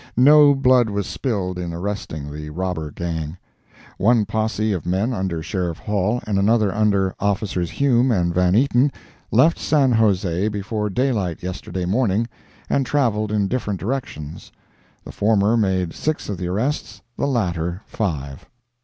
No blood was spilled in arresting the robber gang. One posse of men under Sheriff Hall, and another under officers Hume and Van Eaton, left San Jose before daylight yesterday morning, and travelled in different directions; the former made six of the arrests, and the latter five.